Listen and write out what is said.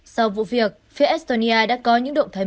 sau vụ việc phía estonia đã có những động thái